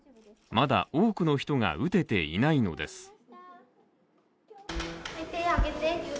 まだ、多くの人が打てていないのです。